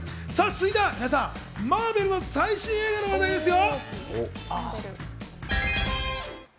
続いてはマーベルの最新映画の話題ですよ。